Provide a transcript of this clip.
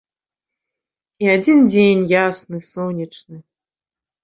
І адзін дзень ясны сонечны.